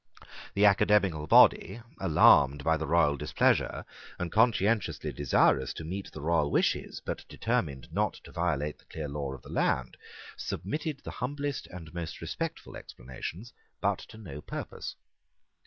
The academical body, alarmed by the royal displeasure, and conscientiously desirous to meet the royal wishes, but determined not to violate the clear law of the land, submitted the humblest and most respectful explanations, but to no purpose.